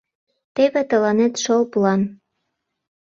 — Теве тыланет шыл план...